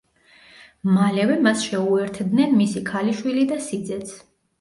მალევე მას შეუერთდნენ მისი ქალიშვილი და სიძეც.